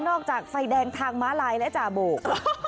ออกจากไฟแดงทางม้าลายและจ่าโบก